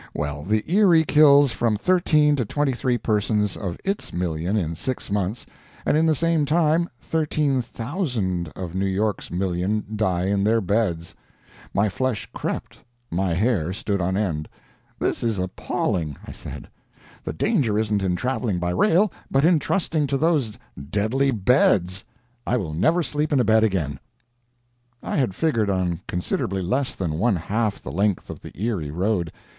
Well, the Erie kills from 13 to 23 persons of its million in six months; and in the same time 13,000 of New York's million die in their beds! My flesh crept, my hair stood on end. "This is appalling!" I said. "The danger isn't in traveling by rail, but in trusting to those deadly beds. I will never sleep in a bed again." I had figured on considerably less than one half the length of the Erie road.